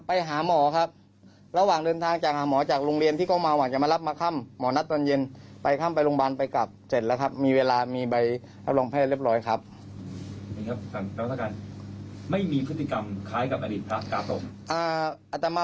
อาจจะมาบอกผู้แต่ละยอมถ้ามีพฤตภาคมนี้ไม่ต้องให้ใครคนอะไรคนหนึ่งที่จะเจอ